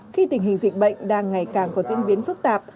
khi tình hình dịch bệnh đang ngày càng có diễn biến phức tạp